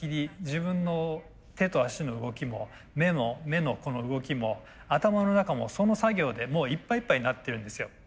自分の手と足の動きも目のこの動きも頭の中もその作業でもういっぱいいっぱいになってるんですよ。